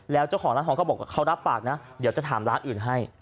แล้วเจ้าของร้านทองเขาบอกเขารับปากนะเดี๋ยวจะถามร้านอื่นให้